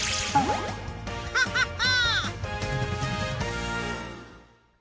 ハハハ！